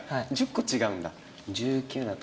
１０個違うんだ。